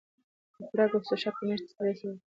د خوراک او څښاک کمښت د ستړیا سبب ګرځي.